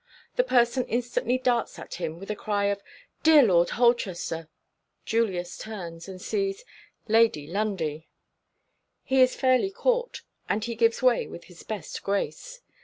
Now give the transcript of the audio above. The person instantly darts at him with a cry of "Dear Lord Holchester!" Julius turns, and sees Lady Lundie! He is fairly caught, and he gives way with his best grace.